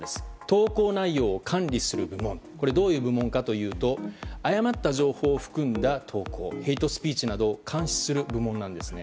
投稿内容を管理する部門どういう部門かというと誤った情報を含んだ投稿ヘイトスピーチなどを監視する部門です。